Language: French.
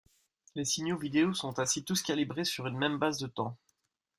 Les signaux vidéo sont ainsi tous calibrés sur une même base de temps.